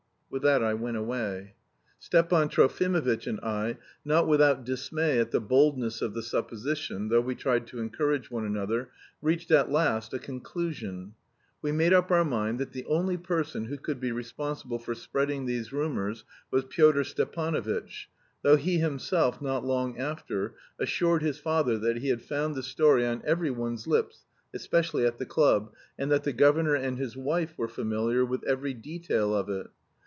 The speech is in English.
With that I went away. Stepan Trofimovitch and I, not without dismay at the boldness of the supposition, though we tried to encourage one another, reached at last a conclusion: we made up our mind that the only person who could be responsible for spreading these rumours was Pyotr Stepanovitch, though he himself not long after assured his father that he had found the story on every one's lips, especially at the club, and that the governor and his wife were familiar with every detail of it.